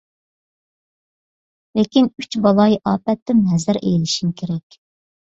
لېكىن، «ئۈچ بالايىئاپەت»تىن ھەزەر ئەيلىشىڭ كېرەك.